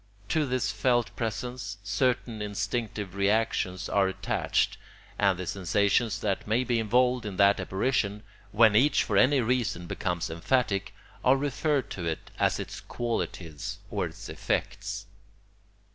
To this felt presence, certain instinctive reactions are attached, and the sensations that may be involved in that apparition, when each for any reason becomes emphatic, are referred to it as its qualities or its effects.